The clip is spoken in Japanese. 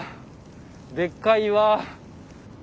でっかい岩！